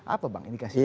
apa bang indikasinya